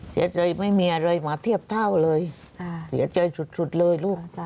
เสียใจไม่มีอะไรมาเทียบเท่าเลยเสียใจสุดเลยลูก